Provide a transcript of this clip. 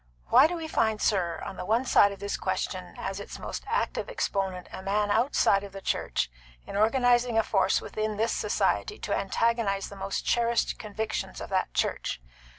Why do we find, sir, on the one side of this question as its most active exponent a man outside of the church in organising a force within this society to antagonise the most cherished convictions of that church?